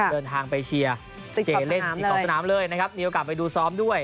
เดินทางไปเชียร์เจเล่นที่ขอบสนามเลยนะครับมีโอกาสไปดูซ้อมด้วย